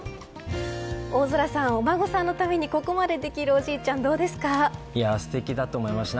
大空さん、お孫さんのためにここまでできるおじいちゃんすてきだと思いました。